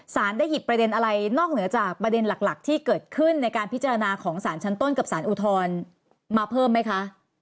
ได้หยิบประเด็นอะไรนอกเหนือจากประเด็นหลักที่เกิดขึ้นในการพิจารณาของสารชั้นต้นกับสารอุทธรณ์มาเพิ่มไหมคะ